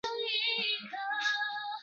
默拉克。